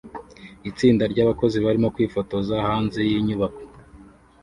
Itsinda ryabakozi barimo kwifotoza hanze yinyubako